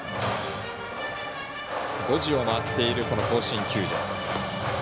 ５時を回っている甲子園球場。